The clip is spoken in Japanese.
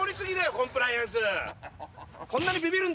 コンプライアンス。